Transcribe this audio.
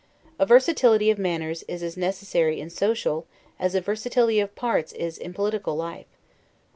A versatility of manners is as necessary in social, as a versatility of parts is in political life.